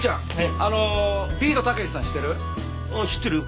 ああ知ってるよ。